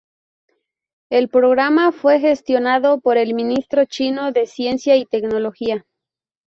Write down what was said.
El programa fue gestionado por el ministro chino de ciencia y tecnología.